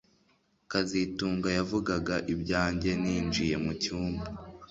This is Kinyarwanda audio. kazitunga yavugaga ibyanjye ninjiye mucyumba